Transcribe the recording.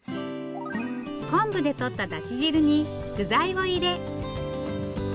昆布でとっただし汁に具材を入れ。